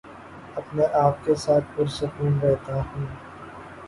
اپنے آپ کے ساتھ پرسکون رہتا ہوں